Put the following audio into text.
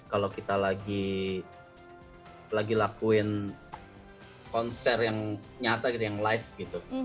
kalau kita lagi lakuin konser yang nyata gitu yang live gitu